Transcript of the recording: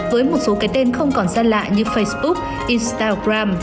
với một số cái tên không còn gian lạ như facebook instagram